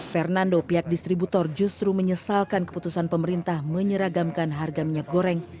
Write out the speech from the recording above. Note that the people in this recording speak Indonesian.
fernando pihak distributor justru menyesalkan keputusan pemerintah menyeragamkan harga minyak goreng